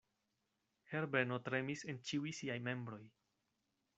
Herbeno tremis en ĉiuj siaj membroj.